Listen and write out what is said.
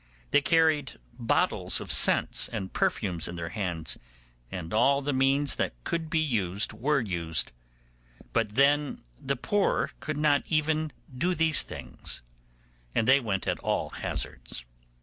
They carried bottles of scents and perfumes in their hands, and all the means that could be used were used, but then the poor could not do even these things, and they went at all hazards.